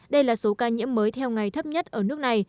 đây là số ca nhiễm mới theo ngày thấp nhất ở nước này